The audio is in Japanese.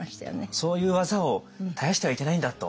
そういう技を絶やしてはいけないんだと。